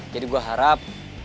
jadi gue harap